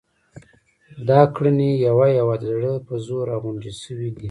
دا ګړنی یوه یوه د زړه په زور را غونډې شوې دي.